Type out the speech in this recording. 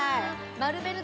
マルベル堂！